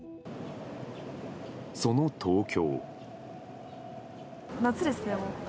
その、東京。